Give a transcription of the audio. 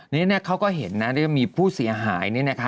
นี่เขาก็เห็นมีผู้เสียหาย